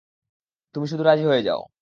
তুমি শুধু রাজি হয়ে যাও।